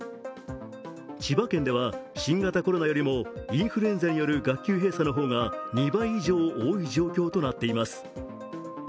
千葉県では新型コロナよりもインフルエンザによる学級閉鎖の方が２倍以上多い状況となっています。